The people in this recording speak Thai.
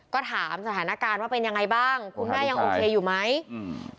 ก็ถามสถานการณ์ว่าเป็นยังไงบ้างคุณแม่ยังโอเคอยู่ไหมอืม